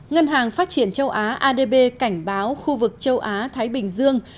ngân hàng phát triển châu á adb cảnh báo khu vực châu á thái bình dương